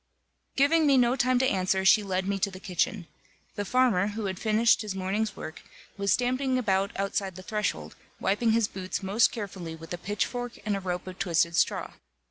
Giving me no time to answer, she led me to the kitchen. The farmer, who had finished his morning's work, was stamping about outside the threshold, wiping his boots most carefully with a pitchfork and a rope of twisted straw.